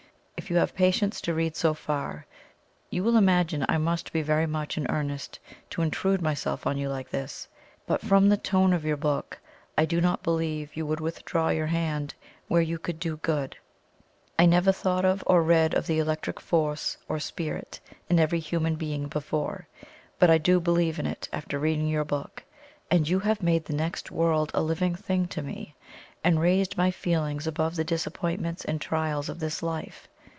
If you have patience to read so far, you will imagine I must be very much in earnest to intrude myself on you like this, but from the tone of your book I do not believe you would withdraw your hand where you could do good. ... I never thought of or read of the electric force (or spirit) in every human being before, but I do believe in it after reading your book, and YOU HAVE MADE THE NEXT WORLD A LIVING THING TO ME, and raised my feelings above the disappointments and trials of this life.